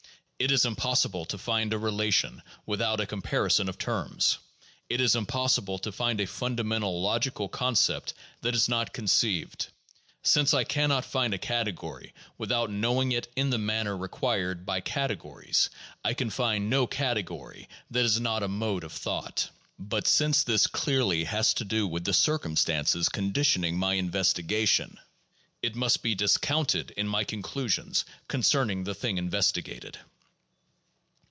It is impossible to find a relation without a compari son of terms, it is impossible to find a fundamental logical concept that is not conceived. Since I can not find a category without know ing it in the manner required by categories, I can find no category that is not a mode of thought. But since this clearly has to do with the circumstances conditioning my investigation, it must be dis counted in my conclusions concerning the thing investigated.